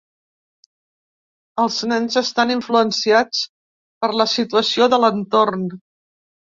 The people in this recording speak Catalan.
Els nens estan influenciats per la situació de l’entorn.